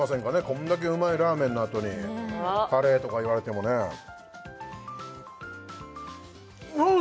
こんだけうまいラーメンのあとにカレーとか言われてもねああ